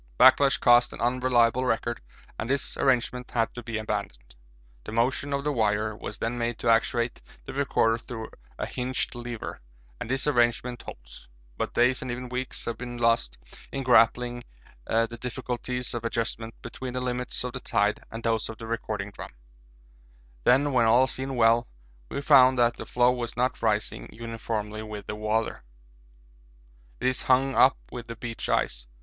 Backlash caused an unreliable record, and this arrangement had to be abandoned. The motion of the wire was then made to actuate the recorder through a hinged lever, and this arrangement holds, but days and even weeks have been lost in grappling the difficulties of adjustment between the limits of the tide and those of the recording drum; then when all seemed well we found that the floe was not rising uniformly with the water. It is hung up by the beach ice.